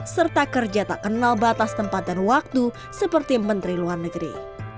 serta kerja tak kenal batas tempat dan waktu seperti menteri luar negeri